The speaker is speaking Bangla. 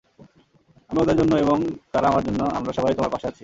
আমি ওদের জন্য এবং তারা আমার জন্য আমরা সবাই তোমার পাশে আছি।